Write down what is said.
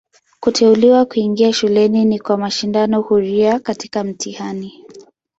Kuteuliwa kuingia shuleni ni kwa mashindano huria katika mtihani.